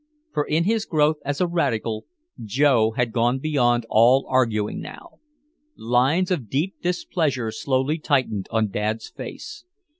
For in his growth as a radical, Joe had gone beyond all arguing now. Lines of deep displeasure slowly tightened on Dad's face.